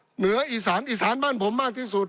เหนืออีสานอีสานบ้านผมมากที่สุด